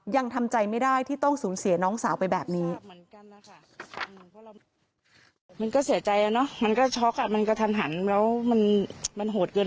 ยังทำใจไม่ได้ที่ต้องสูญเสียน้องสาวไปแบบนี้